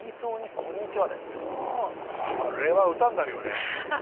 これは歌になるよね。